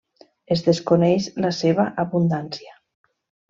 Es desconeix la seva abundància.